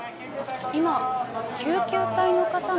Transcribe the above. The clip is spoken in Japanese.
今、救急隊の方が。